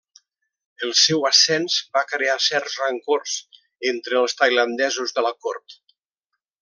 El seu ascens va crear certs rancors entre els tailandesos de la cort.